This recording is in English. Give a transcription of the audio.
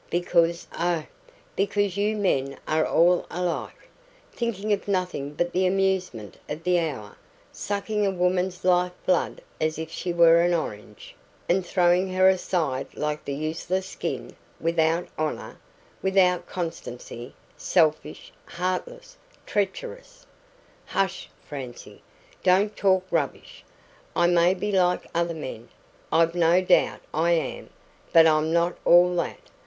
Because oh, because you men are all alike, thinking of nothing but the amusement of the hour, sucking a woman's life blood as if she were an orange, and throwing her aside like the useless skin without honour, without constancy, selfish, heartless, treacherous " "Hush, Francie! Don't talk rubbish. I may be like other men I've no doubt I am but I'm not all that.